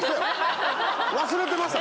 忘れてました